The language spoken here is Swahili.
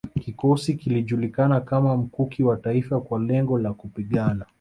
Kikosi kilijulikana kama Mkuki wa Taifa kwa lengo la kupigana